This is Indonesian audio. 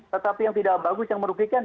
tetapi yang tidak bagus yang merugikan